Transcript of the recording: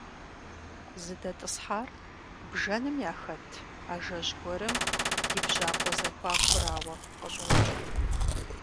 ЗыдэтӀысхьар бжэным яхэт ажэжь гуэрым и бжьакъуэ зэхуакурауэ къыщӀокӀ.